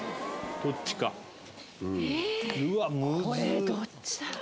これどっちだろう？